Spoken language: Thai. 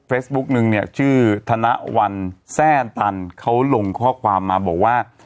เฟซบุ๊กหนึ่งเนี้ยชื่อธนวรแซ่ตันเขาลงข้อความมาบอกว่า